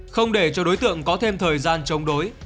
không để cho đối tượng có thêm thời gian chống đối